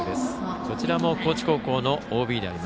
こちらも高知高校のＯＢ。